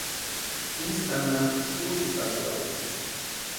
Isï janhatʼi úchʼutakwarhu.